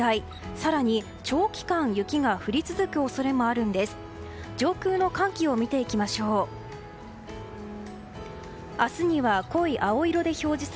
更に長期間雪が降り続く恐れもあるんです。